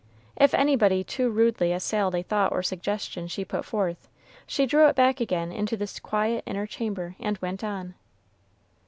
If anybody too rudely assailed a thought or suggestion she put forth, she drew it back again into this quiet inner chamber, and went on.